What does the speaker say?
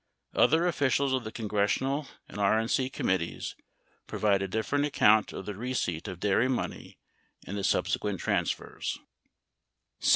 Other officials of the congressional and RNC committees provide a different account of the receipt of dairy money and the subsequent transfers.